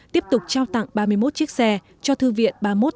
tiếp tục trao tặng ba mươi một chiếc xe